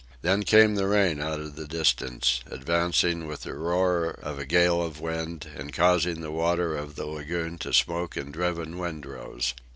Then came the rain out of the distance, advancing with the roar of a gale of wind and causing the water of the lagoon to smoke in driven windrows.